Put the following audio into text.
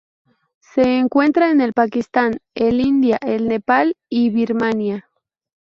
Se encuentra en el Pakistán, el India, el Nepal y Birmania.